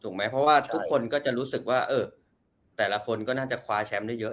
เพราะว่าทุกคนก็จะรู้สึกว่าเออแต่ละคนก็น่าจะคว้าแชมป์ได้เยอะ